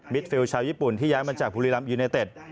ฟิลชาวญี่ปุ่นที่ย้ายมาจากบุรีรัมยูเนเต็ด